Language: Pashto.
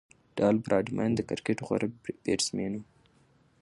ډان براډمن د کرکټ غوره بیټسمېن وو.